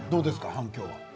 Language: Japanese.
反響は。